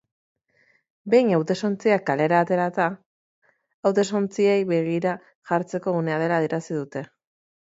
Behin hautetsontziak kalera aterata, hautetsontziei begira jartzeko unea dela adierazi dute.